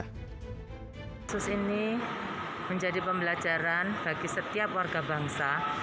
kasus ini menjadi pembelajaran bagi setiap warga bangsa